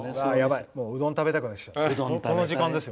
うどん食べたくなってきた。